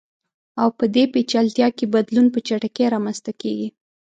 او په دې پېچلتیا کې بدلون په چټکۍ رامنځته کیږي.